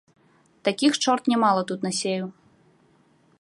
Такіх чорт нямала тут насеяў.